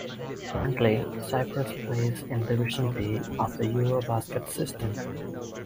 Currently, Cyprus plays in Division B of the EuroBasket system.